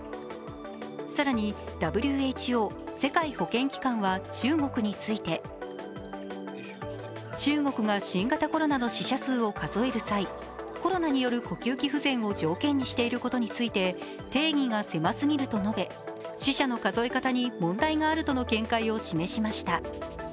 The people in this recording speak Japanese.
更にＷＨＯ＝世界保健機関は中国について、中国が新型コロナの死者数を数える際、コロナによる呼吸器不全を条件にしていることについて定義が狭すぎると述べ、死者の数え方に問題があるとの見解を示しました。